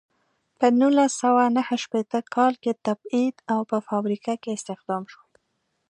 په نولس سوه نهه شپیته کال کې تبعید او په فابریکه کې استخدام شو.